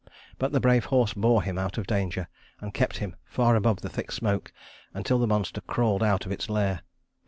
But the brave horse bore him out of danger, and kept him far above the thick smoke until the monster crawled out of its lair.